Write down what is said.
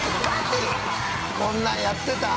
こんなんやってたん？